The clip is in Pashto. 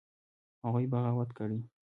هغوى بغاوت کړى.